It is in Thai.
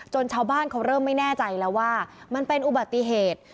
ชาวบ้านเขาเริ่มไม่แน่ใจแล้วว่ามันเป็นอุบัติเหตุ